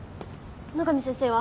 野上先生は？